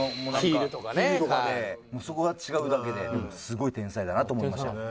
ヒールとかでそこが違うだけですごい天才だなと思いました。